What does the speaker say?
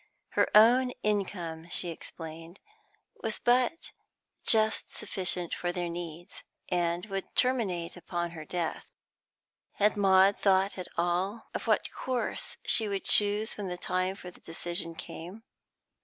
Her own income, she explained, was but just sufficient for their needs, and would terminate upon her death; had Maud thought at all of what course she would choose when the time for decision came?